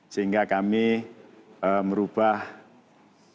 sehat dan berhubungan dengan orang lain